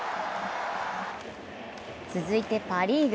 続いてパ・リーグ。